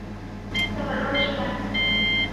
五刺栗壳蟹为玉蟹科栗壳蟹属的动物。